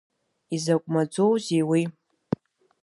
Изакә маӡоузеи уи?